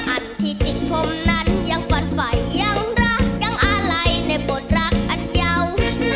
อันที่จิกผมนั้นยังฝันไฟยังรักยังอาลัยในบทรักอันยาว